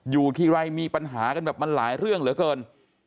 อยู่ทีไรมีปัญหากันแบบมันหลายเรื่องเหลือเกิน